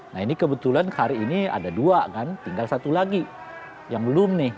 nah ini kebetulan hari ini ada dua kan tinggal satu lagi yang belum nih